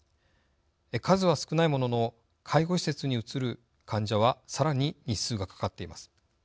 数は少ないものの介護施設に移る患者はさらに日数がかかっています。